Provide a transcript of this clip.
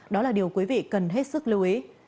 đó là điều quý vị cần hết sức lưu ý